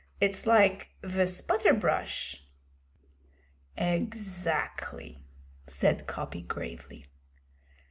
'It's like ve sputter brush?' 'Exactly,' said Coppy gravely.